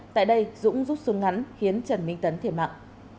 tại đây dũng rút súng ngắn khiến trần minh tấn thiệt mạng